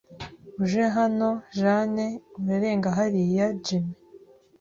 Uje hano, Jane, urarenga hariya, Jim.